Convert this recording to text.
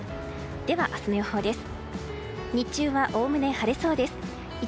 では、明日の予報です。